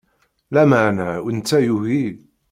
Lameɛna, netta yugi.